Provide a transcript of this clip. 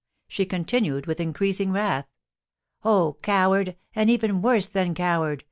She continued, with increasing wrath: "Oh, coward! and even worse than coward!